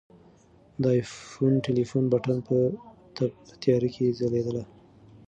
د آیفون ټلیفون بټن په تپ تیاره کې ځلېدله.